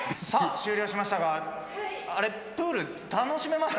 終了しましたが、プール楽しめました？